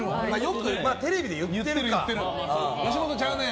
テレビで言ってるか。